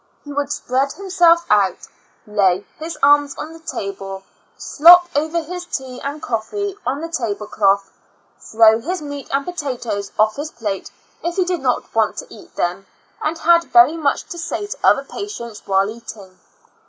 He would spread himself out, lay his arms on the table, slop over his tea and coffee on the table cloth, throw his meat and potatoes off of his plate if he did not want to eat them, and had very much to say to other patients while eating.